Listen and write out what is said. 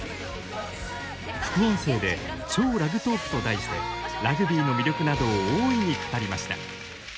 副音声で超ラグトークと題してラグビーの魅力などを大いに語りました。